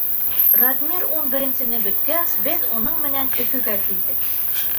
Радмир ун беренсене бөткәс, беҙ уның менән Өфөгә килдек.